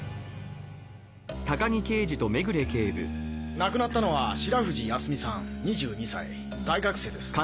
亡くなったのは白藤泰美さん２２歳大学生です。